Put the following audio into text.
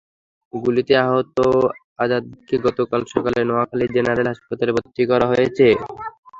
গুলিতে আহত আজাদকে গতকাল সকালে নোয়াখালী জেনারেল হাসপাতালে ভর্তি করা হয়েছে।